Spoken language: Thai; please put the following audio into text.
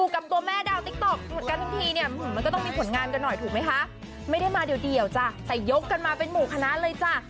ก็มีผลงานก็หน่อยถูกไหมคะไม่ได้มาเดียวแต่ยกกันมาเป็นหมู่คณะเลยจ้ะ